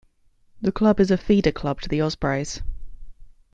The club is a feeder club to the Ospreys.